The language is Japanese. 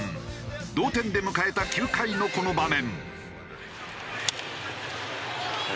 同点で迎えた９回のこの場面。